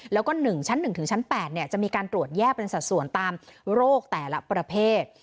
แล้วก็๑ชั้น๑ถึงชั้น๘จะมีการตรวจแยกเป็นสัดส่วนตามโรคแต่ละประเภท